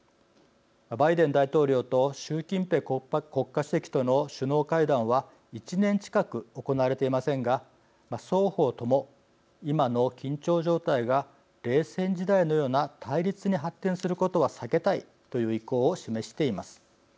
バイデン大統領と習近平国家主席との首脳会談は１年近く行われていませんが双方とも今の緊張状態が冷戦時代のような対立に発展することは避けたいという意向を示しています。